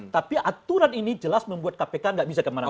tapi aturan ini jelas membuat kpk nggak bisa kemana mana